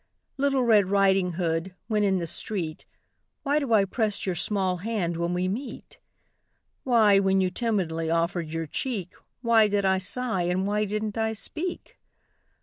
Little Red Riding Hood, when in the street, Why do I press your small hand when we meet? Why, when you timidly offered your cheek, Why did I sigh, and why didn't I speak?